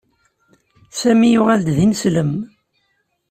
Sami yuɣal-d d ineslem.